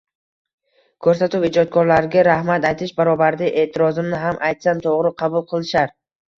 Koʻrsatuv ijodkorlariga rahmat aytish barobarida eʼtirozimni ham aytsam, toʻgʻri qabul qilishar.